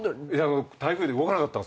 台風で動かなかったんすよ。